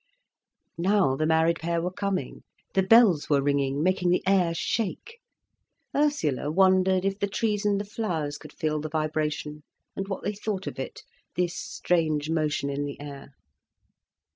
Now the married pair were coming! The bells were ringing, making the air shake. Ursula wondered if the trees and the flowers could feel the vibration, and what they thought of it, this strange motion in the air.